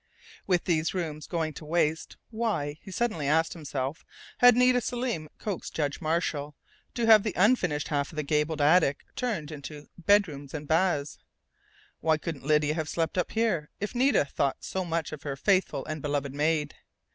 With these rooms going to waste, why he suddenly asked himself had Nita Selim coaxed Judge Marshall to have the unfinished half of the gabled attic turned into bedrooms and baths? Why couldn't Lydia have slept up here, if Nita thought so much of her "faithful and beloved maid"?